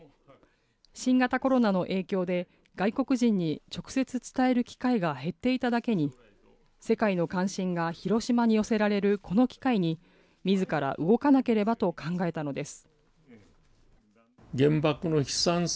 新型コロナの影響で、外国人に直接伝える機会が減っていただけに、世界の関心が広島に寄せられるこの機会に、みずから動かなければと考えたのです。